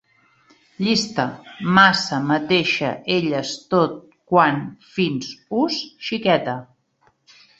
Llista: massa, mateixa, elles, tot, quan, fins, ús, xiqueta